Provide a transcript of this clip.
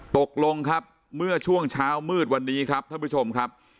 ตกลงครับเมื่อช่วงเช้ามืดวันนี้ครับท่านผู้ชมครับ